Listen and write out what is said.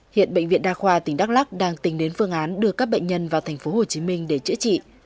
hiện bệnh viện đa khoa tỉnh đắk lắc đang tính đến phương án đưa các bệnh nhân vào thành phố hồ chí minh để chữa trị